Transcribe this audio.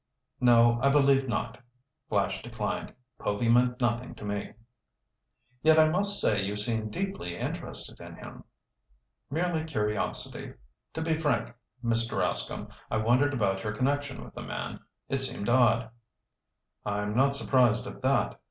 "No, I believe not," Flash declined. "Povy meant nothing to me." "Yet I must say you seem deeply interested in him." "Merely curiosity. To be frank, Mr. Rascomb, I wondered about your connection with the man. It seemed odd." "I'm not surprised at that.